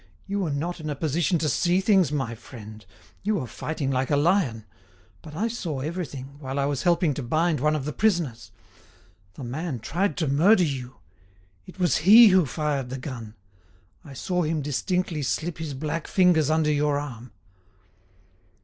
You were not in a position to see things, my friend; you were fighting like a lion. But I saw everything, while I was helping to bind one of the prisoners. The man tried to murder you; it was he who fired the gun; I saw him distinctly slip his black fingers under your arm."